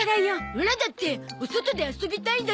オラだってお外で遊びたいんだゾ。